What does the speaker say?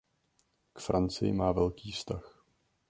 K Francii má velký vztah.